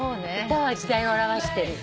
歌は時代を表してる。